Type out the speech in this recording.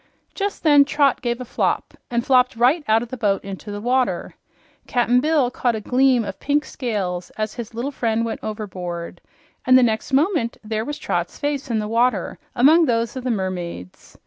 Just then Trot gave a flop and flopped right out of the boat into the water. Cap'n Bill caught a gleam of pink scales as his little friend went overboard, and the next moment there was Trot's face in the water among those of the mermaids.